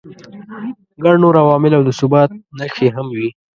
ګڼ نور عوامل او د ثبات نښې هم وي.